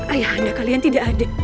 ayahanda kalian tidak ada